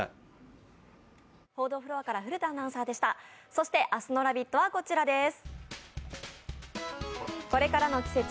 そして明日の「ラヴィット！」はこちらです。